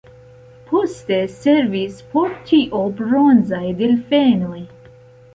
Poste servis por tio bronzaj delfenoj.